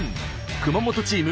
熊本チーム